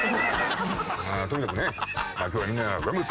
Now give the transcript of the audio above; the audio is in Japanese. まあとにかくね今日はみんな頑張って。